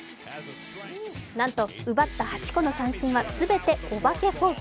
なんと奪った８個の三振は全てお化けフォーク。